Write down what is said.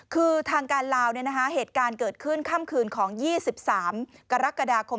คือทางการลาวเหตุการณ์เกิดขึ้นค่ำคืนของ๒๓กรกฎาคม